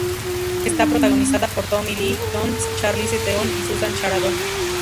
Está protagonizada por Tommy Lee Jones, Charlize Theron y Susan Sarandon.